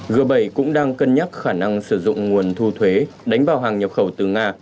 g bảy cũng đang cân nhắc khả năng sử dụng nguồn thu thuế đánh bào hàng nhập khẩu từ nga